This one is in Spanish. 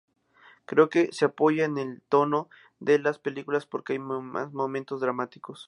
Creo que se apoya en el tono de las películas porque hay momentos dramáticos.